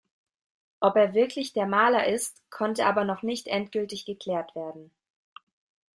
Ob er wirklich der Maler ist, konnte aber noch nicht endgültig geklärt werden.